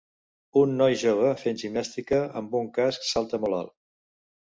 un noi jove fent gimnàstica amb un casc salta molt alt